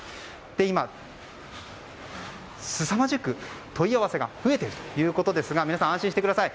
今、すさまじく問い合わせが増えているということですが皆さん、安心してください。